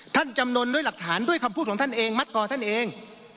จำนวนด้วยหลักฐานด้วยคำพูดของท่านเองมัดคอท่านเอง